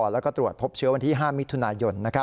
แล้วก็ตรวจพบเชื้อวันที่๕มิถุนายน